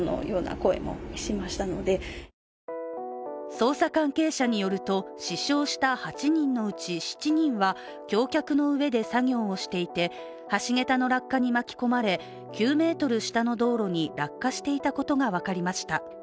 捜査関係者によりますと、死傷した８人のうち７人は橋脚の上で作業していて橋桁の落下に巻き込まれ９ｍ下の道路に落下していたことが分かりました。